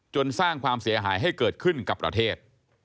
สร้างความเสียหายให้เกิดขึ้นกับประเทศ